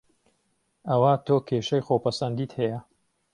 ئەوا تۆ کێشەی خۆ پەسەندیت هەیە